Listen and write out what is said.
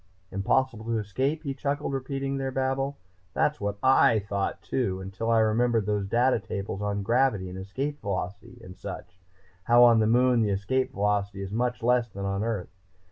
"Impossible to escape?" He chuckled, repeating their babble. "That's what I thought too, until I remembered those data tables on gravity and Escape Velocity and such how, on the Moon, the Escape Velocity is much less than on Earth.